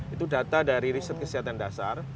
itu data dari riset kesehatan dasar